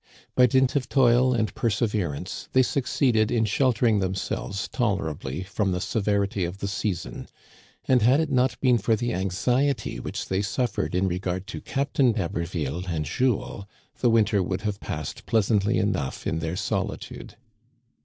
By dint of toil and perseverance, they succeeded in sheltering themselves tolerably from the severity of the season ;' and had it not been for the anxiety which they suffered in regard to Captain d'Haberville and Jules, the winter would have passed pleasantly enough in their solitude.